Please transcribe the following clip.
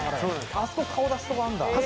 あそこ顔出すとこあんだあっ